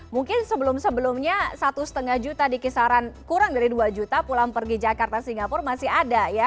mungkin sebelum sebelumnya satu lima juta di kisaran kurang dari dua juta pulang pergi jakarta singapura masih ada ya